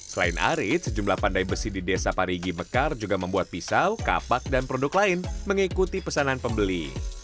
selain arit sejumlah pandai besi di desa parigi mekar juga membuat pisau kapak dan produk lain mengikuti pesanan pembeli